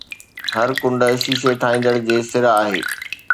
هر ڪنڊ شيشي ٺاهيندڙ جي سر آهي